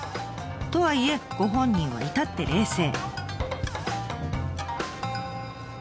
とはいえご本人は至って冷静。